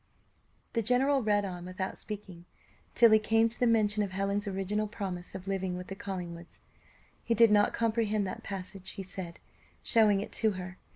The general read on without speaking, till he came to the mention of Helen's original promise of living with the Collingwoods. He did not comprehend that passage, he said, showing it to her.